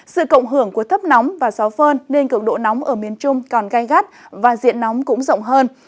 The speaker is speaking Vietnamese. sự cộng hưởng của thấp nóng và gió phơn nên cường độ nóng ở miền trung còn gai gắt và diện nóng cũng rộng hơn